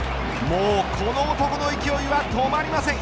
もうこの男の勢いは止まりません。